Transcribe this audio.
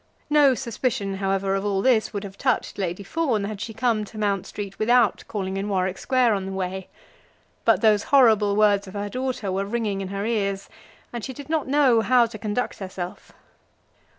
No suspicion, however, of all this would have touched Lady Fawn had she come to Mount Street without calling in Warwick Square on the way. But those horrible words of her daughter were ringing in her ears, and she did not know how to conduct herself.